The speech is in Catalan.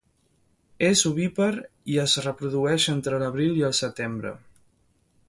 És ovípar i es reprodueix entre l'abril i el setembre.